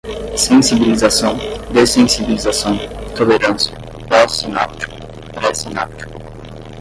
sensibilização, dessensibilização, tolerância, pós-sináptico, pré-sináptico